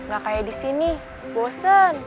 gak kayak disini bosen